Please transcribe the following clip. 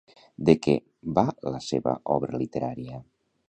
De què va la seva obra literària?